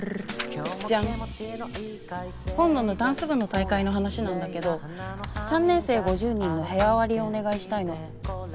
今度のダンス部の大会の話なんだけど３年生５０人の部屋割りをお願いしたいの。